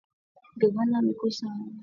Gavana wa mkoa wa Rasi ya Mashariki